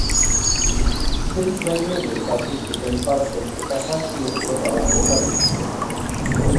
Sei traineruk hartu zuten parte eta zazpi estropada jokatu ziren.